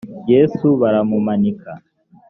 yezu baramumanika